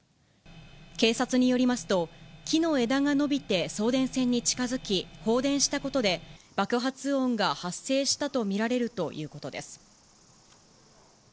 警察によりますと、木の枝が伸びて送電線に近づき、放電したことで爆発音が発生したと見られるということです。